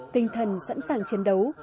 tinh thần sẵn sàng chiến đấu